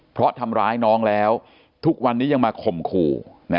เพราะทำร้ายน้องแล้วทุกวันนี้ยังมาข่มขู่